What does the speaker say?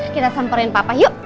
kita samperin papa yuk